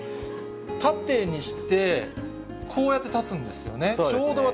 縦にして、こうやって立つんですそうです。